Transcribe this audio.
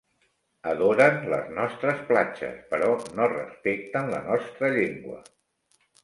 Adoren les nostres platges però no respecten la nostra llengua.